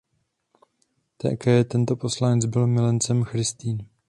Také tento poslanec byl milencem Christine.